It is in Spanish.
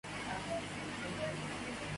Tiene más sentido hacerlo en ese orden.